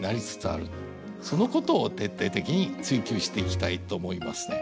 そのことを徹底的に追究していきたいと思いますね。